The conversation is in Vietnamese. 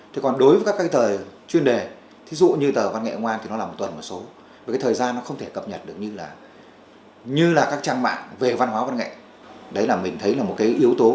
thì cũng phải chăm chút